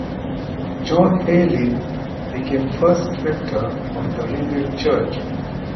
John Heylyn became first rector of the rebuilt church.